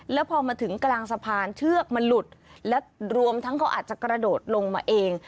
แล้วพอมาถึงกลางสะพานเชือกมันหลุดและรวมทั้งเขาอาจจะกระโดดลงมาเอง